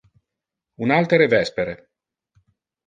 Un altere vespere.